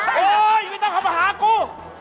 โอ๊ยไม่ต้องเข้ามาหากู